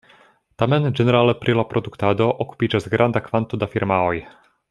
Tamen ĝenerale pri la produktado okupiĝas granda kvanto da firmaoj.